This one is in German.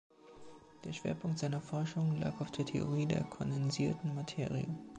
Der Schwerpunkt seiner Forschungen lag auf der Theorie der kondensierten Materie.